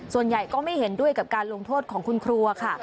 ส่วนใหญ่ก็ไม่เห็นด้วยกับการลงโทษของคุณครัวค่ะ